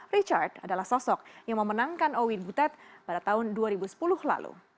richard adalah sosok yang memenangkan owin butet pada tahun dua ribu sepuluh lalu